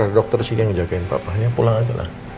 ada dokter sini yang jagain papa ya pulang aja lah